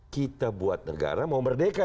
kita buat negara mau merdeka